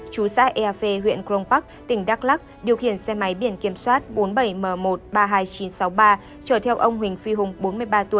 chú xã ea phê huyện crong park tỉnh đắk lắc điều khiển xe máy biển kiểm soát bốn mươi bảy m một trăm ba mươi hai nghìn chín trăm sáu mươi ba trở theo ông huỳnh phi hùng bốn mươi ba tuổi